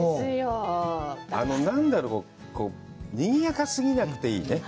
何だろう、にぎやか過ぎなくていいよね。